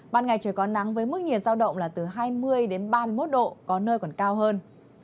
ban ngày trời có nắng với mức nhiệt giao động là từ hai mươi đến ba mươi một độ có nơi còn cao hơn